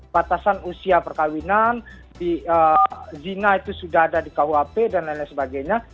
batasan usia perkawinan zina itu sudah ada di kuhp dan lain lain sebagainya